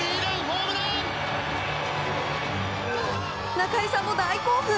中居さんも大興奮！